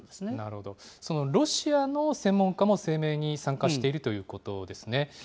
なるほど、そのロシアの専門家も声明に参加しているということですね。